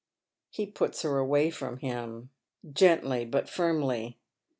" He puts her away fi om him gently but firmly.